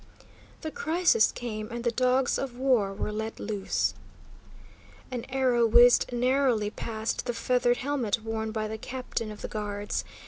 The crisis came, and the dogs of war were let loose. An arrow whizzed narrowly past the feathered helmet worn by the captain of the guards.